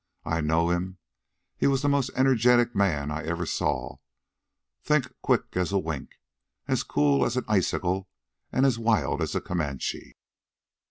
I know 'm. He was the most energetic man I ever saw, think quick as a wink, as cool as an icicle an' as wild as a Comanche.